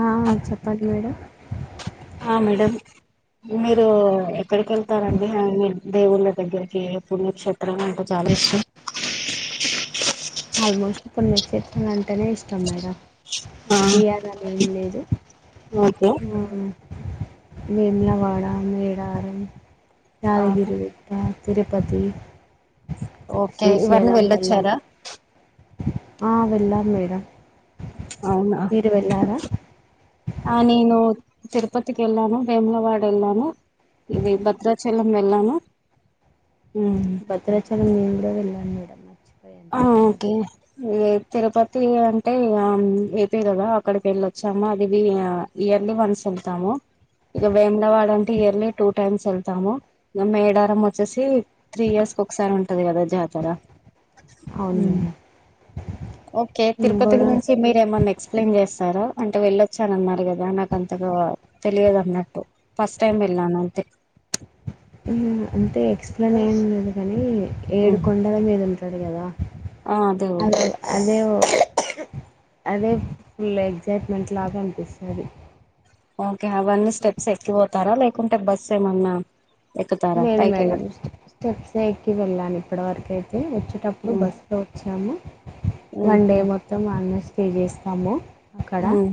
ఆ చెప్పండి మేడం అ మేడం మీరు ఎక్కడికి వెళ్తారండి మీ దేవుళ్ళ దగ్గరికి పుణ్యక్షేత్రాలు అంటే చాలా ఇష్టం ఆల్మోస్ట్ ఇప్పుడు మీ చిత్రం అంటేనే ఇష్టం మేడం ఆ ఇదియాదని ఎంలే అ ఓకే ఉ వేములవాడ మేడారం చాలగిరుగు తిరుపతి ఓకే ఇవన్నీ శ్రీశైలం వెళ్ళొచ్చార వెళ్ళాలి ఆ వెళ్ళాం మేడం అవునా మీరు వెళ్ళారా అ నేను తిరుపతికి వెళ్ళాను భేములవాడ వెళ్ళాను ఇది భద్రాచలం వెళ్ళాను భద్రాచాలాం కూద వెళ్ళాను ఇ మచ్చ [unintelligible] ఇ తిరుపతి అంటే ఇగా అయితేయి కదా అక్కడికి వెళ్ళొచ్చాము అదివి ఇయర్లీ వన్స్ వెళ్తాము ఇక వేములవాడ అంటే ఇయర్లీ టూ టైమ్స్ వెళ్తాము మేడారం వచ్చేసి త్రీ ఇయర్స్ క ఒకసారి ఉంటది కదా జాతర అవును మ్ మేడం ఓకే మేము తిరుపతి కూడా గురించి మీరెమన్నా ఎక్స్ప్లెయిన్ చేస్తారా అంటే వెళ్ళొచ్చాన అన్నారు కదా నాకు అంతగా తెలియదు అన్నట్టు ఫస్ట్ టైం వెళ్ళాను అంతే మ్ అంటే ఎక్స్ప్లెయిన్ ఎం లేదు కానీ ఏడుకొండల మీద ఉంటాడు కదా ఆ దేవుడు అదే అదే అదే ఫుల్ ఎగ్జైట్మెంట్ లాగా అనిపిస్తది ఓకే అవన్నీ స్టెప్స్ ఎక్కిపోతారా లేకుంటే బస్ ఏమన్నా ఎక్కుతారా లేదు పైకి మేడం వెళ్ళడం స్టెప్స్ ఎకి వెళ్ళా ఇప్పటి వరకుయి వచ్చేటప్పుడు బస్ లో వచ్చాము వన్ ఉహు డే మొత్తం వల్లే పేజేస్తాము అక్కడ ఉమ్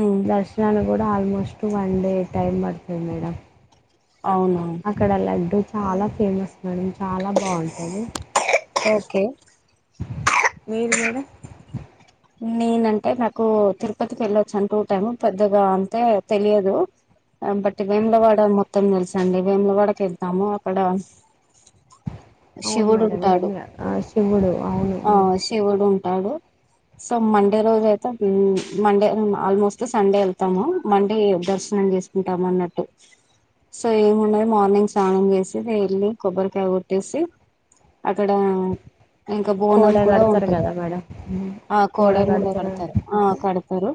ఉమ్ దర్శనాలు గుడా almost to one day time పడుతది మేడం అవునా అక్కడ లడ్డు చాలా ఫేమస్ మేడం చాలా బాగుంటది ఓకే మీరు మేడం నేనంటే నాకు తిరుపతికి వెళ్లొచ్చాను టూ టైమ్ పెద్దగా అంతే తెలియదు బట్ వేములవాడ మొత్తం తెలుసండి వేములవాడకి ఎళ్తాము అక్కడ అవును శివుడు మేడం ఉంటాడు ఏంలే ఆ శివుడు అవును టాడో సో మండే రోజైతే మండే ఆల్మోస్ట్ సండే ఎళ్తాము మండే దర్శనం చేసుకుంటాము అన్నట్టు సో ఏమున్నది మార్నింగ్ స్నానం చేసి వెళ్ళి కొబ్బరికాయ కొట్టేసి అక్కడ ఇంకా బోనం కోడ కూడా కడతారు ఉంటది కదా మేడం కోడలు ముందే కడతారు ఆ కడతారు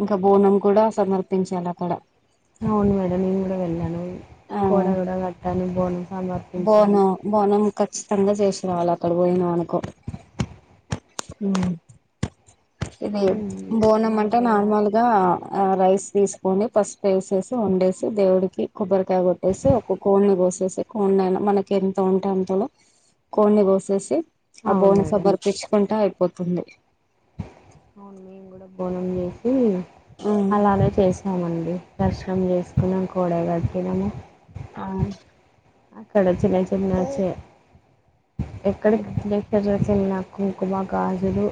ఇంకా బోనం కూడా సమర్పించాలి అక్కడ అవును మేడం నీను కూడా వెళ్ళాను ఆ కోడ కూడా కట్టాను బోనం సమర్పించాను బోనం బోనం ఖచ్చితంగా చేసిరావాల అక్కడ పోయినా అనుకో ఊ ఇది ఉమ్, బోనం మళ్ళీ అంటే మేడ నార్మల్ గా ఆ రైస్ తీసుకొని పసుపేసేసి వండేసి దేవుడికి కొబ్బరికాయ కొట్టేసి ఒక కోడిని కోసేసి కోడినైనా మనకి ఎంత ఉంటే అంతలో కోడిని కోసేసి ఆ అవును బోన మేడం సబర్పిచ్చుకుంటాయ్ పోతుంది అవును మేం కూడా బోనం జేసి అలానే చేసామండి దర్శనం చేసుకున్నాము కోడ గట్టిగన ఆ అక్కడ వచి [unintelligible] కావచ్చు ఎక్కడకి [unintelligible] ఏన్న కుంకుమ గాజులు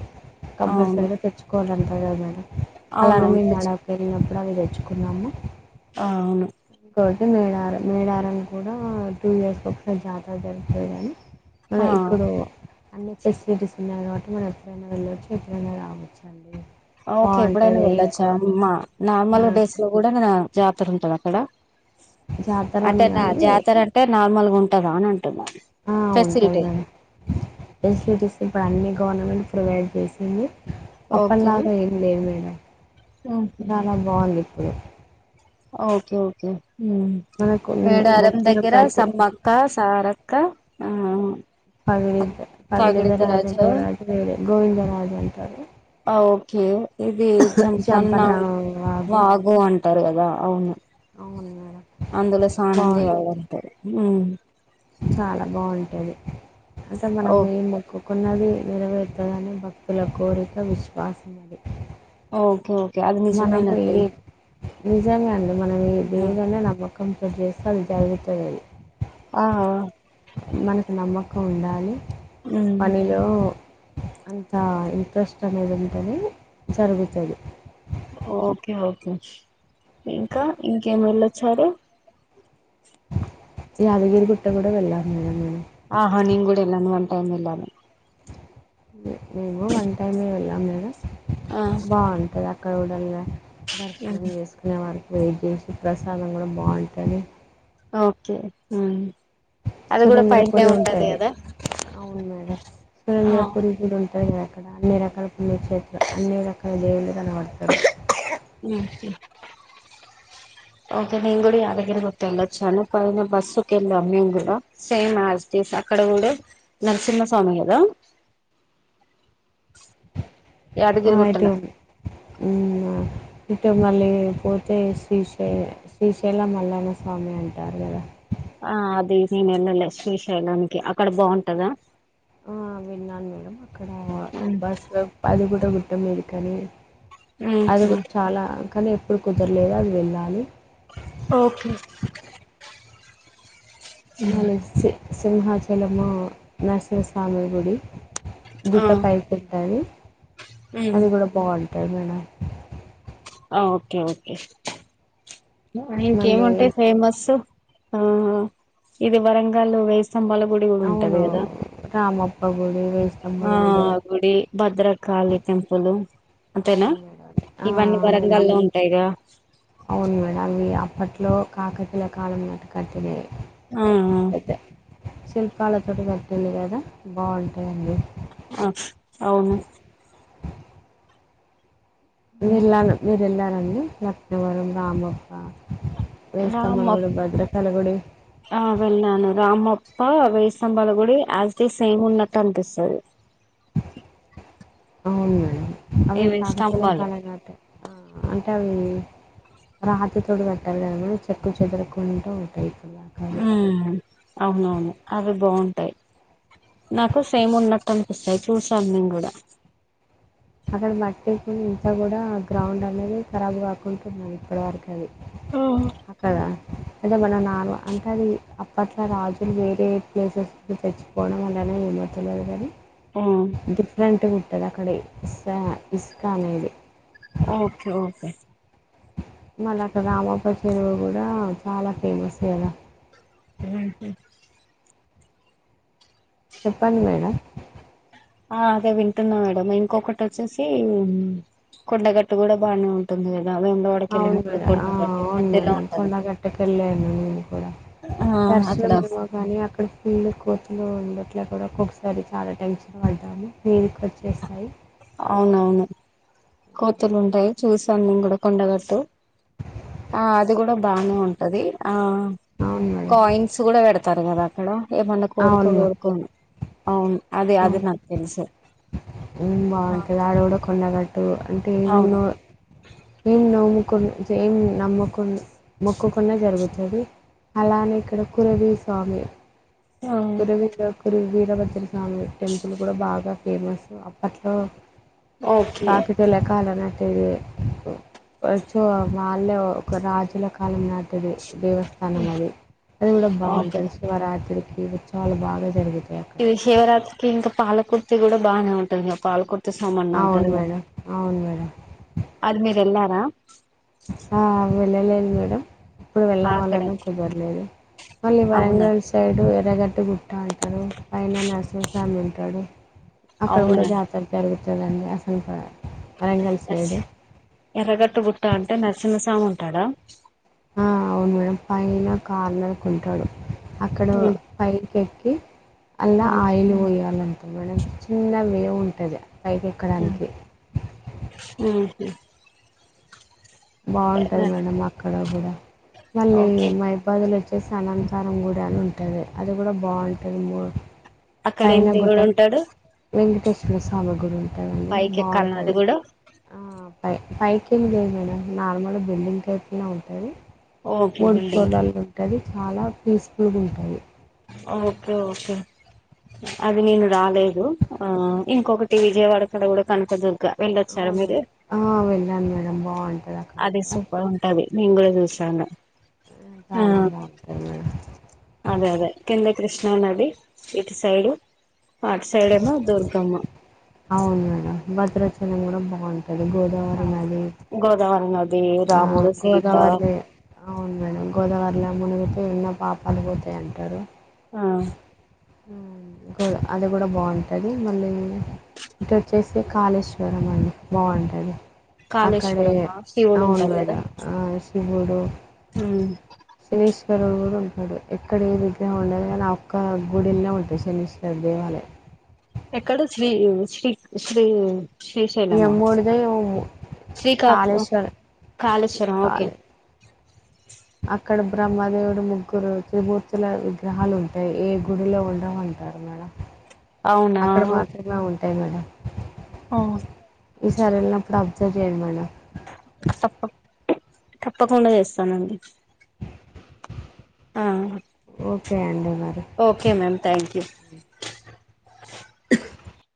అవును కంపల్సరిగా తెచ్చుకోవాలం [unintelligible] అవునవును అలాడమే నాడ తెచ్చు పెరి అవి తెచ్చుకున్నాము ఆ అవును తోటి మేడారం మేడారం కూడా టూ ఇయర్స్ ఒకసారి జాతర జరుగుతదని అదే ఆ ఇప్పుడు అన్ని ఫెసిలిటీస్ ఉన్నాయి కాబట్టి మనం ఎప్పుడైనా వెళ్ళవచ్చు ఎప్పుడైనా రావచ్చు అండి ఓకే ఎప్పుడైనా బాగుంటది ఇంకో వెళ్ళొచ్చా మా నార్మల్ ఆ డేస్ లో కూడా న జాతర ఉంటది అక్కడ అంటే జాతరని నా కాదు జాతర అంటే నార్మల్గా ఉం టదా అనన్ ఆ ఉంటది మ్యామ్ ఫెసిలిటీస్ ఇప్పుడు అన్ని గవర్నమెంట్ ప్రొవైడ్ చేసింది ఓకే అప్పల్లాగా ఏం లేదు మేడం చాలా బావుంది [unintelligible] ఓకే ఓకే ఉమ్మ్ మనకు మేడారం మొక్కిన దగ్గర ప్రతి సమ్మక్క సార క్క మ్ మ్ పగడిద్ద పగడింద రాజాంట రాజు వేరే గోవిందరాజు అంటారు అ ఓకే ఇది చంపన్న అ వాగు అంటారు కదా అవును అవును మేడం అందులో స్నానం బాగుంది చేయాలంటారు మ్ చాలా బాగుంటది అంటే ఓ మనం ఏ మొకు కున్నది నెరవేరుతాదని భక్తుల కోరిక విశ్వాసం అది ఓకే ఓకే అది నిజమేనండి నిజంగానే మనం [inaudible] [inaudible] ఆ జరుగుతదది ఆ మనకు నమ్మకం ఉండాలి ఉమ్ పనిలో అంత ఇంట్రెస్ట్ అనేది ఉంటేనే జరుగుతది ఓకే ఓ ఇంకా ఇంకేం వెళ్ళొచ్చారు యాదగిరి గుట్ట కూడా వెళ్ళాం మేము ఆహా నీన్ కూడా వెళ్ళాను వన్ టైమ్ ఎళ్ళాను మేమూ వన్ టైమే వెళ్ళాం మేడం ఆ బావుంటదా కవుడల్లే దర్శనం చేసుకునేవారు వెయిట్ చేసి ప్రసాదం కూడా ఓకే ఉమ్ సురేంద్రపురి ఉంటది అవును మేడం సురేంద్రపురి కూడా ఉన్ పైగా అక్కడ అన్ని రకాల పుణ్యక్షేత్ర అన్ని రకాల దేవుళ్ళు కనపడతారు ఓకే నేను కూడా యాదగిరి గుట్ట వెళ్లొచ్చాను, కానీ మేము బస్సు కి వెళ్ళాం, మేము కూడా సేమ్ అక్కడ కూడా నరసింహస్వామి కదా ఆ యాదగిరి అయితే గుట్టల అవునా ఇటు మళ్ళీ పోతే శ్రీశైల శ్రీశైలం మల్లన్న స్వామి అంటారు కదా ఆ అది నేను వెళ్ళలే శ్రీశైలానికి అక్కడ బాగుంటదా ఆ విన్నాను మేడం ఇక్కడ బస్ లో పదు కూడా అమెరికాని అది కూడా చాలా కానీ ఏప్పుడూ కుదరలేదు అది వెళ్ళాలి ఓకే మాలి సే సింహాచలము నరసింహస్వామి గుడి ఆ గుట్ట పై పెట్టారు అది కూడా బావున్ టాయ్ మేడం ఓకే ఓకే మళ్ళీ ఇంకేముటయ్ ఫేమస్ ఆహా ఇది వరంగలు వేస్ స్తంభాల గుడి కూడా ఉంటుంది అవును కదా రామప్ప గుడి వేయి స్తంభాల ఆ గుడి భద్రకాళి టెంపుల్ అంతేనా అవును మేడం ఆ ఇవన్నీ నేను అమ్ వరంగాల్లో ఉంటాయిగా లో కాకతీయ కాలంలో కట్టినవి ఆ ఆ పెద్ద శిల్పాలతోటి కట్టిండ్రు కదా బాగుంటాయి అండి ఆ అవును నేన్ రాను మీరు వెళ్ల అండి రత్నవరం రామప్ప వేయి రామప్ గుడి భద్రకాళి గుడి ఆ వెళ్లాను రామప్ ఆ వేయి స్తంభాలు గుడి యాజ్ ఇట్ ఈజ్ సేమ్ ఉన్నట్టు అనిపిస్తది అవును అండి అవి ఇవి కాకతీయ స్తంభాలు కాలంలో కట్ అ అంటే అవి రాతి తోడు కట్టాలి కదకటి చెక్కు చెదురుకుంటూ ఉంటాయి దాకా అవి మ్ అవునవును అవి బాగుంటాయి నాకు సేమ్ ఉన్నట్టు అనిపిస్తాయి చూసాం మేము కూడా అక్కడ మట్టికి ఇంత కూడా గ్రాండ్ అనేది ఖరాబ్ కాకుంటున్నది ఇప్పటి వరకు అది అక్కడా అదే మన నార్మ అంటే అది అప్పట్లో రాజులు వేరే ప్లేసెస్ తెచ్చిపోవడం వల్లనే ఏమో తెలియదు కానీ డిఫరెంట్గా ఉంటుంది అక్క [unintelligible] ఇస్కాన్ ఇది ఓకే ఓకే మళ్ళ అక్కడా రామప్ప చెరువు కూడా చాలా ఫేమస్ కద ఉహు చెప్పండి మేడం ఆ అదే వింటున్నా మేడం ఇంకొకటి వచ్చేసి కొండగట్టు కూడా బానే ఉంటుంది కదా వేములవాడకి అవును వెళ్ళినప్పుడు మేడం ఆ కొండగట్టు అవును మధ్యలో మేడం ఉంటది కొండగట్టక వెళ్ళాను నేను కూడా ఆ అక్కడ దర్శనం ఏమో కానీ అక్కడ పుల్లి కోతులో ఉండె ఇట్లా కూడా ఒక్కొక్కసారి చాలా టెన్షన్ పడ్డాము మీదికి వచ్చేసాయి అవునవును కోతులు ఉంటాయి చూసా నేను కూడా కొండగట్టు ఆ అది కూడా బానే ఉంటది ఆ అవును మేడం కోయిన్స్ కూడా పెడ్ తరగాదక్కడ ఏమన్న కోరుక అవును మేడం కోరుకోను అవును అదే అదే నాక్ తెలుసు ఉమ్ ఆ బాగుంటది ఆడ కూడా కొండగ ట్టు అంటే ఏం అవును నో ఏం నోముకున్ మ్ నమ్ముకుం మొక్కుకున్నది జరుగుతది అలానే ఇక్కడ కురవి స్వామి ఆ కురువిందా కురివి వీరభద్ర స్వామి టెంపుల్ కూడా బాగా ఫేమస్ అప్పట్లో ఓకే కాకితేలకాలనా [unintelligible] వచో వాళ్ళే ఒక రాజుల కాలం నాటిది దేవస్థానం అది అది కూడా ఓకే బాగుంటుంది శివరాత్రి [unintelligible] చాలా బాగా జరుగు ఇది శివరాత్రికి ఇంకా పాలకు కూడా బాగానే ఉంటందిక పాల సామన్న అవును అంటారు కద మేడం అవును మేడం అది మీరెల్లా హ లె లే మేడం ఇప్పుడు అక్కడ వెళ్ళావాలన కుదరలేదు మళ్ళీ అవునా వరంగల్ సైడు ఎర్రగడ్టి గుట్ట అంటారు పైన నరసింహసోమి [unintelligible] అక్కడ అవునా కూడా జాతర జరుగుతుంది [unintelligible] వరంగల్ ఎస్. సైడ్ ఎర్రగట్టు గుట్ట అంటే నరసింహసమి ఉంటాడా ఆ అవును మేడం పైన కార్నర్ కొంటాడు అక్కడ ఉమ్, పైకి ఓక అల్ ఆ, ఆయిల్ పోయాల అ మనకి చిన్న వే ఉంటుంది ఆ, పైకెక్కడానికి ఉమ్, ఉమ్. బాగుంటది మేడం అక్కడ కూడా మళ్ళీ ఓకే మైబాదులు వచ్చి [unintelligible] గుడి అని ఉంటుంది అది కూడా బాగుంటుంది మ అక్కడ ఏం దేవుడు ఉంటాడు శివసామ గుడి అంటడి పైకి ఎక్కాలన అది బాగుంటుంది కూడా అ [unintelligible] [unintelligible] మేడం నార్మల్ బిల్డింగ్ టైప్నే ఉంటుంది ఓకే మూడు బిల్డింగ్ సోలాలుగా ఉంటది చాలా పీస్ఫుల్గా ఉంటాది ఓకే ఓకే అది నేను రాలేదు ఆ ఇంకొకటి విజయవాడ కడ కూడా కనక వెళ్ళొచ్చారా అవును మీరు మేడం ఆ, వెళ్ళాను మేడం బాగుంటుంది అక్కడ అది కూడా సూపర్ ఉంటుది మే కూడా చూ చనా ఆ చాలా బావుంటది మేడమ్ అదే అదే కింద కృష్ణా నది ఇటు సైడ్ ఆట్ సైడ్ ఏమో దుర్గమ్మ అవును మేడం భద్రాచలం కూడా బాగుంటుంది గోదావరి నాది గోదావరి నది ఆ రాముడు సీత గోదావరి అవును మేడం గోదావరిలో మునుగు మున్న పాపాలు పోతాయంటారు ఆ అది కూడా బాగుంటుది మళ్ళీ ఇటోచ్చేసి కాళేశ్వరం అండి బాగుంటది కాళేశ్వరమా శివడు ఉంటాడు కదా కుబడు హ్మ్ ఈశ్వరుడు కూడా ఉంటడు ఎక్కడ కూడ ఏ విగ్రహం ఉండదు కానీ ఒక్క గుడినే ఉంటది శనీశ్వర దేవాలయం. ఎక్కడ శ్రీ శ్రీ శ్రీ ఈ శ్రీశైలమా అమ్మోడిదే ఏమో శ్రీకా కాళేశ్వర కాళేశ్వరం ఓకే, కాళే అక్కడ బ్రహ్మదేవుడు ముగ్గురు త్రిమూర్తుల విగ్రహాలు ఉంటాయి ఏ గుడిలో ఉండవంటారు మేడం. అవునా అక్కడ మాత్రమే ఉంది అంటే మేడం ఆ ఈసారి వెళ్ళినప్పుడు అబ్జర్వ్ చేయండి మేడం తప్పక్ తప్పకుండా చేస్తానండి ఆ ఓకే అండి మరి ఓకే మ్యామ్ థ్యాంక్ యూ